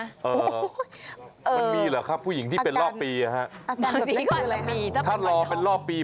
เออมันมีเหรอครับผู้หญิงที่เป็นรอบปีอ่ะฮะถ้ารอเป็นรอบปี